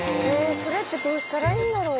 それってどうしたらいいんだろう。